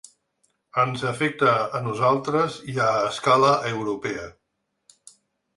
Ens afecta a nosaltres i a escala europea.